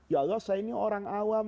ya allah saya ini orang awam